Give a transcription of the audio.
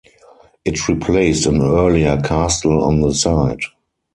It replaced an earlier castle on the site.